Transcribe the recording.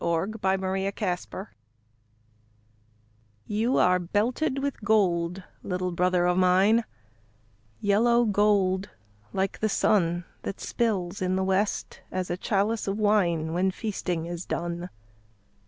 THE HOMING BEE You are belted with gold, little brother of mine, Yellow gold, like the sun That spills in the west, as a chalice of wine When feasting is done.